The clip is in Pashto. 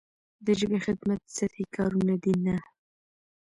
د ژبې خدمت سطحي کارونه دي نه.